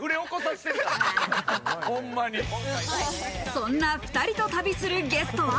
そんな２人と旅するゲストは。